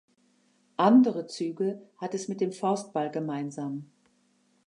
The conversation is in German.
Andere Züge hat es mit dem Faustball gemeinsam.